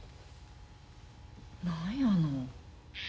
何やの？